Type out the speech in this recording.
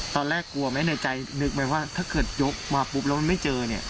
ตอนแรกกลัวไหมในใจนึกไหมว่าถ้าเกิดยกมาปุ๊บแล้วมันไม่เจอเนี่ย